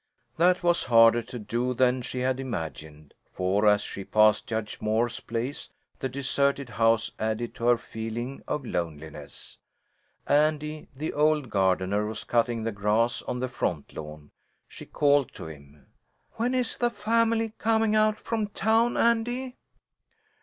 That was harder to do than she had imagined, for as she passed Judge Moore's place the deserted house added to her feeling of loneliness. Andy, the old gardener, was cutting the grass on the front lawn. She called to him. "When is the family coming out from town, Andy?"